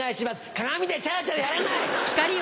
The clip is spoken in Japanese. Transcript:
鏡でチャラチャラやらない！